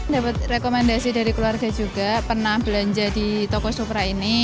dapat rekomendasi dari keluarga juga pernah belanja di toko supra ini